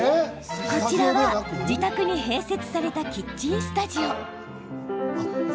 こちらは自宅に併設されたキッチンスタジオ。